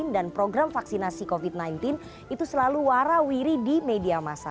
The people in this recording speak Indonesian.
dan program vaksinasi covid sembilan belas itu selalu warah wiri di media masa